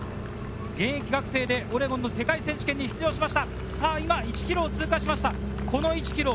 現役学生でオレゴンの世界選手権に出場しました。